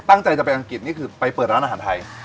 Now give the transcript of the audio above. ตั้งใจจะไปอังกฤษนี่คือไปเปิดร้านอาหารไทย